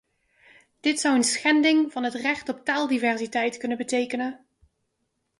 Dit zou een schending van het recht op taaldiversiteit kunnen betekenen.